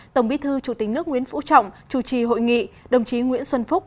tổng bí thư chủ tịch nước nguyễn phú trọng chủ trì hội nghị đồng chí nguyễn xuân phúc